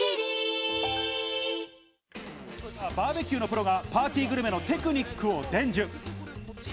バーベキューのプロがパーティーグルメのテクニックを伝授！